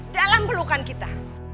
dalam pelukan kita